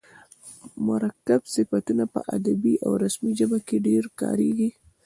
مرکب صفتونه په ادبي او رسمي ژبه کښي ډېر کاریږي.